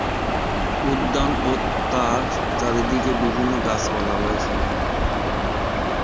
উদ্যান ও তার চারদিকে বিভিন্ন গাছপালা রয়েছে।